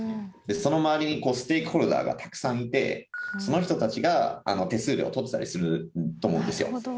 その周りにステークホルダーがたくさんいてその人たちが手数料をとってたりすると思うんですよ。